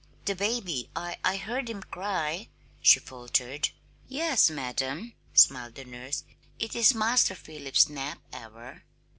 "The baby, I I heard him cry," she faltered. "Yes, madam," smiled the nurse. "It is Master Philip's nap hour."